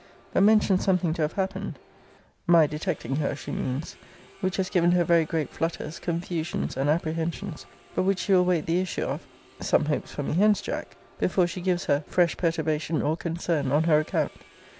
But mentions something to have happened [My detecting her she means] which has given her very great flutters, confusions, and apprehensions: but which she will wait the issue of [Some hopes for me hence, Jack!] before she gives her fresh perturbation or concern on her account.